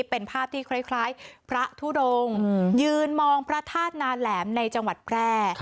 เป็นภาพที่คล้ายพระทุดงยืนมองพระธาตุนาแหลมในจังหวัดแพร่